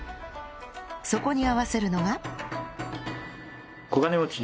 そこに合わせるのが